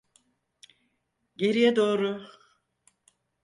Geriye doğru.